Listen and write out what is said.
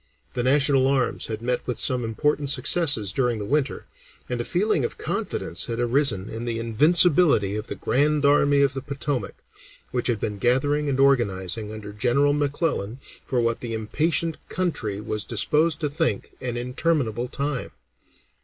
The national arms had met with some important successes during the winter, and a feeling of confidence had arisen in the invincibility of the Grand Army of the Potomac, which had been gathering and organizing under General McClellan for what the impatient country was disposed to think an interminable time.